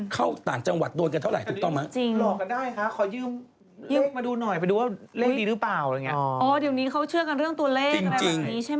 ไม่ว่าคุณจะเป็นใครญาติพี่น้องเอง